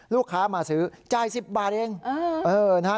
ลูกค้ามาซื้อจ่าย๑๐บาทเองนะฮะ